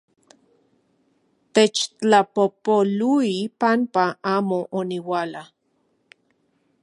Techtlapojpolui panpa amo oniuala...